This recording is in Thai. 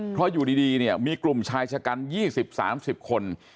เพราะอยู่ดีเนี่ยมีกลุ่มชายชะกัน๒๐๓๐คน